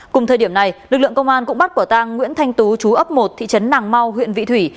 cùng thời điểm này lực lượng công an cũng bắt quả tang nguyễn thanh tú chú ấp một thị trấn nàng mau huyện vị thủy